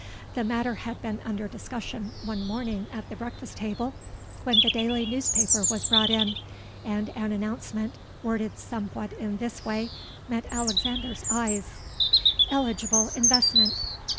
The matter had been under discussion one morning at the breakfast table, when the daily newspaper was brought in; and an announcement, worded somewhat in this way, met Alexander's eyes:—'ELIGIBLE INVESTMENT.